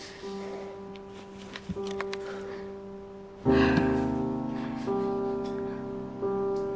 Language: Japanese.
はあ。